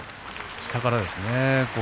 下からですね